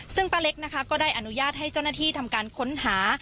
ซึ่งป้าเล็กนะคะก็ได้อนุญาตให้เจ้าหน้าที่ทำการค้นหา